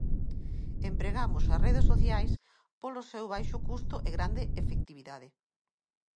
Empregamos as redes sociais polo seu baixo custo e grande efectividade.